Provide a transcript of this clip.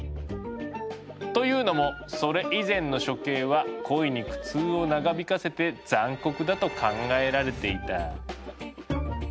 というのもそれ以前の処刑は故意に苦痛を長引かせて残酷だと考えられていた。